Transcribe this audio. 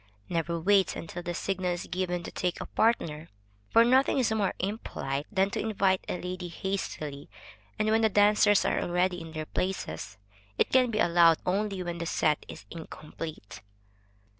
Never wait until the signal is given to take a partner, for nothing is more impolite than to invite a lady hastily, and when the dancers are already in their places; it can be allowed only when the set is incomplete.